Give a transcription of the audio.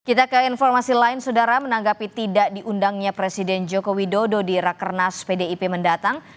kita ke informasi lain saudara menanggapi tidak diundangnya presiden joko widodo di rakernas pdip mendatang